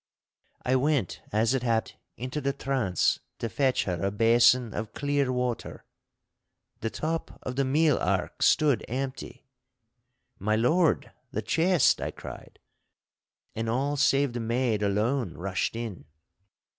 I went, as it happed, into the trance to fetch her a basin of clear water. The top of the meal ark stood empty! 'My lord—the chest!' I cried, and all save the maid alone rushed in.